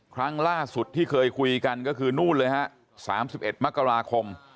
ครั้งล่าสุดที่เคยคุยกันก็คือนู่นเลยฮะ๓๑มกราคม